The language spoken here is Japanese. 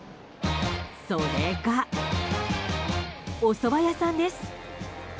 それが、おそば屋さんです。